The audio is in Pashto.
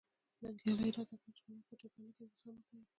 ننګیال راته کړه چې ملت خو جګړه نه کوي او اوس هم متحد دی.